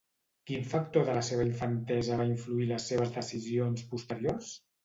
Quin factor de la seva infantesa va influir les seves decisions posteriors?